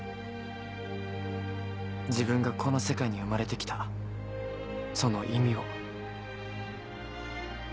自分がこの世界に生まれて来たその意味を。